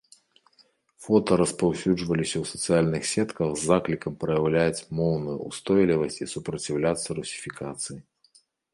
Фота распаўсюджваліся ў сацыяльных сетках з заклікам праяўляць моўную ўстойлівасць і супраціўляцца русіфікацыі.